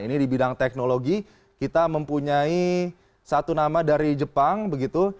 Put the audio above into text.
ini di bidang teknologi kita mempunyai satu nama dari jepang begitu